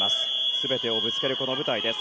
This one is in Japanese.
全てをぶつけるこの舞台です。